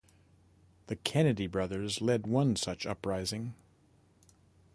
The Kennedy Brothers led one such uprising.